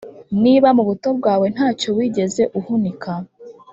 Niba mu buto bwawe nta cyo wigeze uhunika,